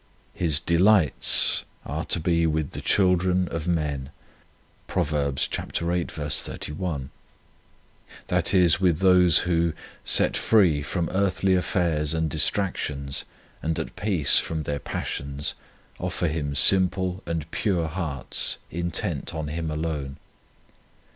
His "delights" are " to be with the children of 4 o Purity of Mind and Heart men," 1 that is, with those who, set free from earthly affairs and distractions, and at peace from their passions, offer Him simple and pure hearts intent on Him alone.